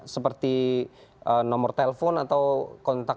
seperti nomor telepon atau kontak